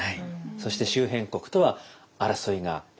そして周辺国とは争いが絶えない。